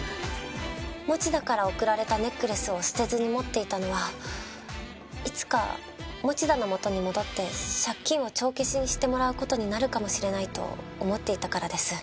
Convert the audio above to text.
持田から贈られたネックレスを捨てずに持っていたのはいつか持田の元に戻って借金を帳消しにしてもらう事になるかもしれないと思っていたからです。